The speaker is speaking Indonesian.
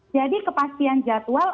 jadi kepastian jadwal